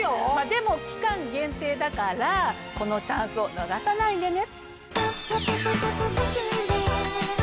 でも期間限定だからこのチャンスを逃さないでね。